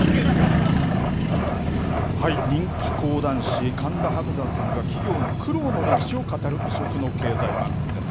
人気講談師、神田伯山さんが企業の苦労の歴史を語る異色の経済番組です。